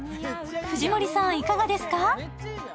藤森さん、いかがですか？